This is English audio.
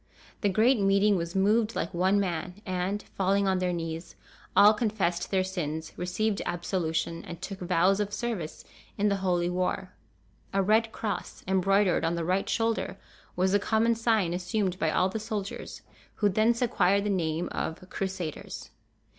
The great meeting was moved like one man; and, falling on their knees, all confessed their sins, received absolution, and took vows of service in the Holy War. A red cross, embroidered on the right shoulder, was the common sign assumed by all the soldiers, who thence acquired the name of "Crusaders."